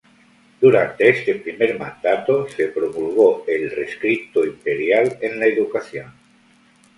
Durante este primer mandato, se promulgó el Rescripto Imperial en la Educación.